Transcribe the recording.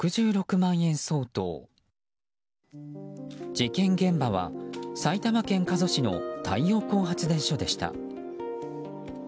事件現場は埼玉県加須市の太陽光発電所でした。